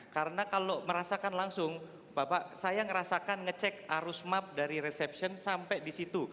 karena kalau merasakan langsung bapak saya merasakan ngecek arus map dari resepsi sampai disitu